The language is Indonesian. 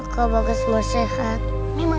kita ketemu kak popi